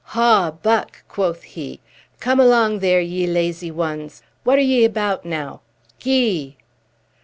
"Haw, Buck!" quoth he. "Come along there, ye lazy ones! What are ye about, now? Gee!"